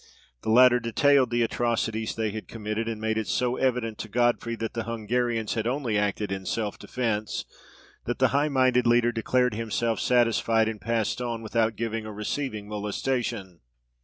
The latter detailed the atrocities they had committed, and made it so evident to Godfrey that the Hungarians had only acted in self defence, that the high minded leader declared himself satisfied, and passed on without giving or receiving molestation.